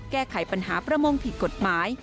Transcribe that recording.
แก้ไขปัญหาประมงผิดกฎหมาย